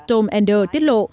tom ender tiết lộ